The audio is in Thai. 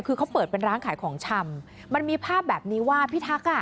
คือเขาเปิดเป็นร้านขายของชำมันมีภาพแบบนี้ว่าพิทักษ์อ่ะ